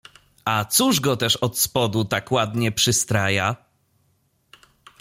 A cóż go też od spodu tak ładnie przystraja?